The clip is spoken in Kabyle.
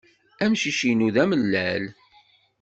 Amcic-inu d amellal.